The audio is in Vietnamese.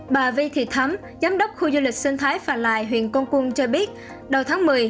bà vi thị thấm giám đốc khu du lịch sinh thái phà lài huyện công cung cho biết đầu tháng một mươi